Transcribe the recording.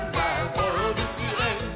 どうぶつえん」